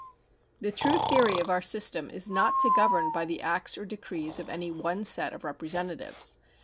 The true theory of our system is not to govern by the acts or decrees of any one set of representatives.